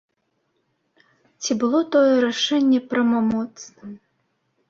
Ці было тое рашэнне правамоцным?